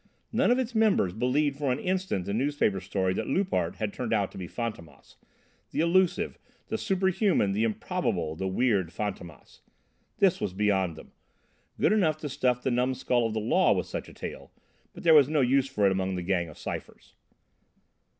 None of its members believed for an instant the newspaper story that Loupart had turned out to be Fantômas the elusive, the superhuman, the improbable, the weird Fantômas. This was beyond them. Good enough to stuff the numskull of the law with such a tale, but there was no use for it among the gang of Cyphers.